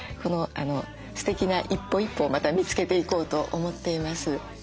すてきな一歩一歩をまた見つけていこうと思っています。